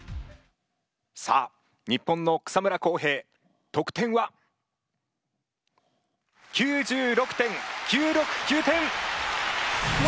さあ日本の草村航平得点は。９６．９６９点！わお！